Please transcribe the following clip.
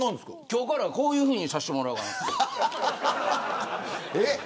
今日からこういうふうにさせてもらうわ。